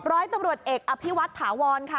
ร้อยตำรวจเอกอภิวัตถาวรค่ะ